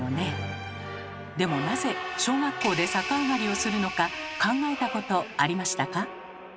でもなぜ小学校で逆上がりをするのか考えたことありましたか？